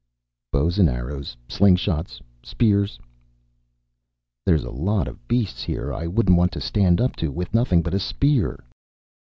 "Bows and arrows. Slingshots. Spears." "There's a lot of beasts here I wouldn't want to stand up to with nothing but a spear."